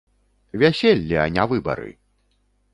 Вяселле, а не выбары!